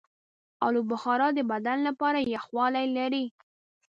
آلوبخارا د بدن لپاره یخوالی لري.